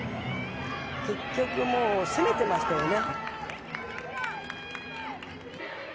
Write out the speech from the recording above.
結局攻めてましたよね。